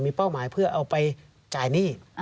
เป้าหมายเพื่อเอาไปจ่ายหนี้